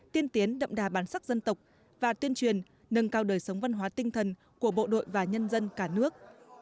tiên tiến đậm đà bản sắc dân tộc và tuyên truyền nâng cao đời sống văn hóa tinh thần của bộ đội và nhân dân cả nước